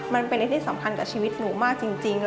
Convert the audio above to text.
มันเป็นอะไรที่สำคัญกับชีวิตหนูมากจริง